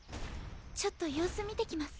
ちょっと様子見てきます。